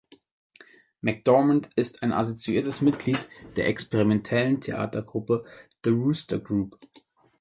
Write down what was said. McDormand ist ein assoziiertes Mitglied der experimentellen Theatergruppe "The Wooster Group".